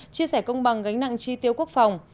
chia sẻ công bằng gánh nặng chi tiêu quốc phòng